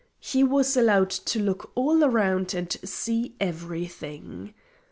He was allowed to look all around and see everything.